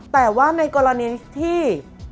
แต่ว่าในกรณีที่